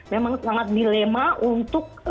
memang sangat dilema untuk